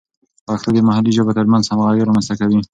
پښتو د محلي ژبو ترمنځ همغږي رامینځته کوي.